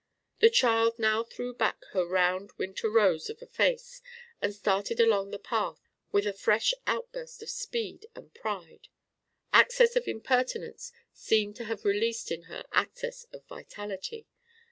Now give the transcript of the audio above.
The child now threw back her round winter rose of a face and started along the path with a fresh outburst of speed and pride. Access of impertinence seemed to have released in her access of vitality.